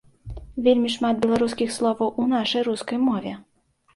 Вельмі шмат беларускіх словаў у нашай рускай мове.